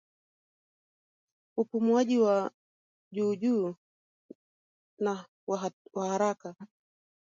upumuaji wa juujuu na wa haraka